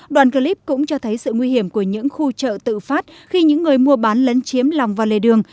đoàn clip cũng cho thấy sự nguy hiểm của những khu chợ tự phát khi những người mua bán lấn chiếm lòng vào lề đường